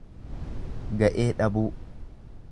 Ga'ee dhabuu.